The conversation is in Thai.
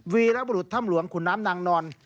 วีรบุรุษถ้ำหลวงขุนน้ำนางนอน